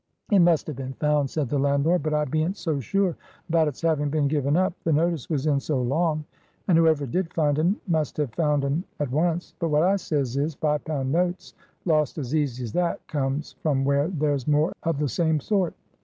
"It must have been found," said the landlord; "but I bean't so sure about it's having been given up, the notice was in so long. And whoever did find un must have found un at once. But what I says is, five pound notes lost as easy as that comes from where there's more of the same sort.